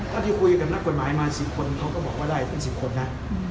ที่คุยกับนักกฎหมายมา๑๐คนเขาก็บอกว่าได้เป็น๑๐คนนะ